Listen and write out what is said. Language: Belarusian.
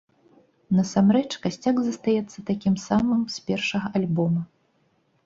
Насамрэч, касцяк застаецца такім самым з першага альбома.